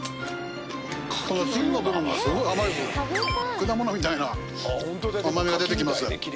果物みたいな甘みが出てきます。